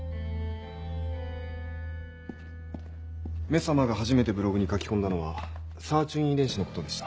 「め様」が初めてブログに書き込んだのはサーチュイン遺伝子のことでした。